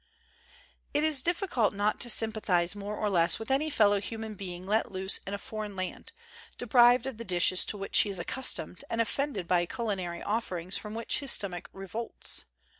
It is difficult not to sympathize more or less with any fellow human being let loose in a for eign land, deprived of the dishes to which he is accustomed and offended by culinary offerings from which his stomach revolts.